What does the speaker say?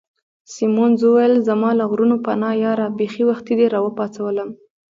سیمونز وویل: زما له غرونو پناه یاره، بیخي وختي دي را وپاڅولم.